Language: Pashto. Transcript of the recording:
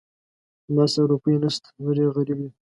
زما سره روپۍ نه شته، زه ډېر غريب يم.